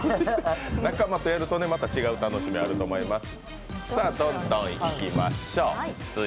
仲間とやるとまた違う楽しみ、あると思います。